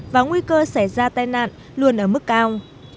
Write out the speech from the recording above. và nguy cơ xảy ra tai nạn luôn ở mức cao